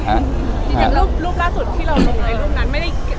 รูปล่าสุดที่เราลงรูปนั้น